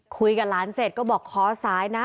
คุยกับหลานเสร็จก็บอกขอสายนะ